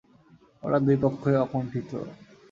ওরা দুই পক্ষই অকুণ্ঠিত।